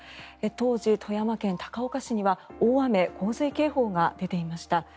当時、富山県高岡市には大雨・洪水警報が出ていました。